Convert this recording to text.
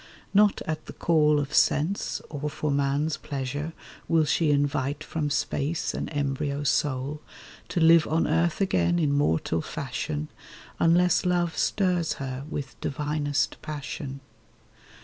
Not at the call of sense or for man's pleasure Will she invite from space an embryo soul, To live on earth again in mortal fashion, Unless love stirs her with divinest passion.